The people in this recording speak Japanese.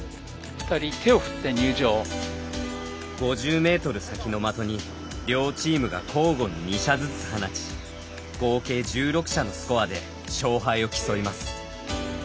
日本の岡崎・大山ペアが５０メートル先の的に両チームが交互に２射ずつ放ち合計１６射のスコアで勝敗を競います。